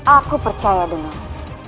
aku percaya denganmu